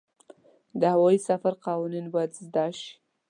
د هوايي سفر قوانین باید زده شي.